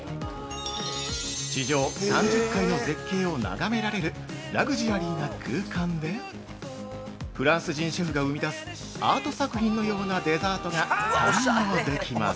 地上３０階の絶景を眺められるラグジュアリーな空間でフランス人シェフが生み出すアート作品のようなデザートが堪能できます。